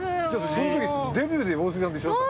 その時デビューで大杉さんと一緒だったの？